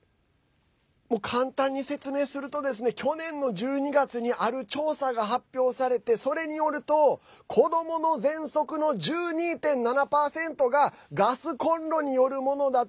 簡単に説明するとですね去年の１２月にある調査が発表されてそれによると子どものぜんそくの１２．７％がガスコンロによるものだと。